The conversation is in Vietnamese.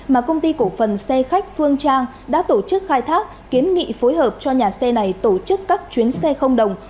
mà công ty cổ phần xe khách phương trang đã tổ chức khai thác kiến nghị phối hợp cho nhà xe này tổ chức các chuyến xe không đồng